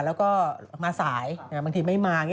แล้วก็มาสายบางทีไม่มา